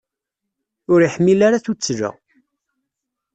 Ur iḥmil ara tuttla.